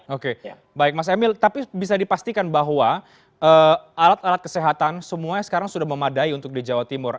oke baik mas emil tapi bisa dipastikan bahwa alat alat kesehatan semuanya sekarang sudah memadai untuk di jawa timur